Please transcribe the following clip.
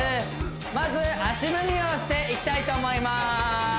まず足踏みをしていきたいと思います